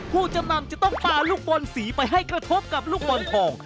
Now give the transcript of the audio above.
ผู้จำนำจะต้องปลาลูกบอลสีไปให้กระทบกับลูกบอลทอง